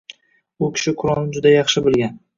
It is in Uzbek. U kishi Qur’onni juda yaxshi bilgan.